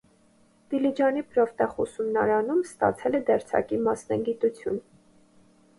Դիլիջանի պրոֆտեխուսումնարանում ստացել է դերձակի մասնագիտություն։